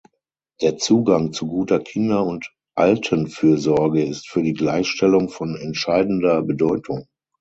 Der Zugang zu guter Kinder- und Altenfürsorge ist für die Gleichstellung von entscheidender Bedeutung.